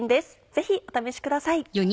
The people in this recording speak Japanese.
ぜひお試しください。